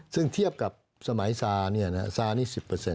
ซึ่งเทียบกับสมัยซาร์เนี่ยนะซาร์นี้๑๐